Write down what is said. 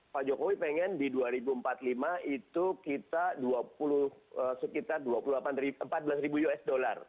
pak jokowi pengen di dua ribu empat puluh lima itu kita sekitar empat belas usd